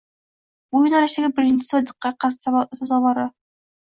Bu yo‘nalishdagi birinchisi va diqqatga sazovori